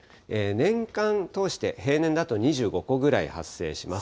年間通して、平年だと２５個くらい発生します。